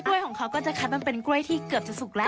ของเขาก็จะคัดมาเป็นกล้วยที่เกือบจะสุกแล้ว